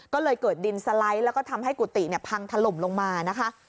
ก็เลยเกิดดินสไลด์แล้วก็ทำให้กุฏิพังถล่มลงมานะคะ